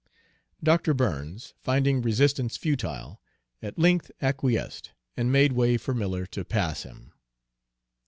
Dr. Burns, finding resistance futile, at length acquiesced and made way for Miller to pass him.